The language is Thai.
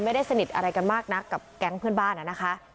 ไม่ได้สนิทอะไรกันมากนักกับแก๊งเพื่อนบ้านนะคะ